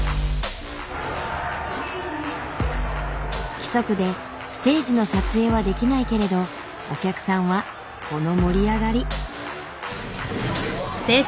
規則でステージの撮影はできないけれどお客さんはこの盛り上がり。